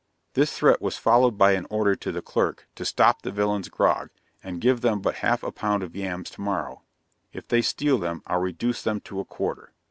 This threat was followed by an order to the clerk "to stop the villains' grog, and give them but half a pound of yams to morrow; if they steal them, I'll reduce them to a quarter."'